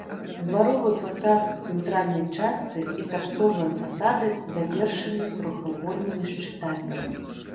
Дваровы фасад у цэнтральнай частцы і тарцовыя фасады завершаны трохвугольнымі шчытамі.